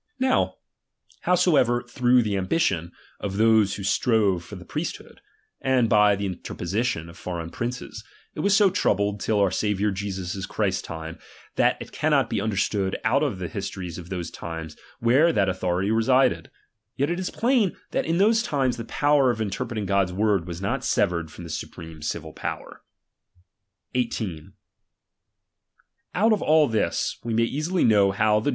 Now, howsoever through the ^H ambition of those who strove for the priesthood, ^^1 and by the interposition of foreign princes, it was ^H so troubled till our Saviour Jesus Christ's time, ^H that it cannot be understood out of the histories ^^P of those times, where that authority resided ; yet ^H it is plain, that in those times the power of inter ^H preting God^s word was not severed from the ^^^ supreme civil power. RELIGION. 249 18. Out of all this, we may easily know how the chap.